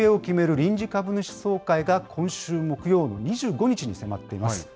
臨時株主総会が今週木曜の２５日に迫っています。